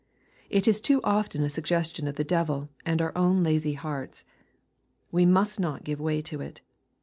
It is too often a suggestion of the devij and our own lazy hearts. We must not give way to it.